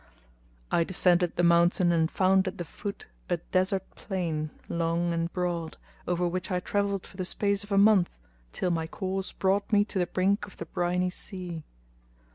I descended the mountain and found at the foot a desert plain, long and broad, over which I travelled for the space of a month till my course brought me to the brink of the briny sea.